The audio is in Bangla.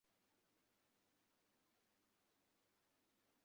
তিনপুরুষে পশ্চিমে বাস।